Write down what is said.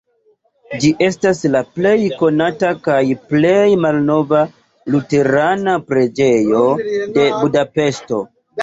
Ĝi estas la plej konata kaj plej malnova luterana preĝejo de Budapeŝto.